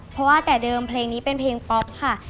เพราะว่าแต่เดิมเพลงนี้เป็นเพลงป๊อปค่ะ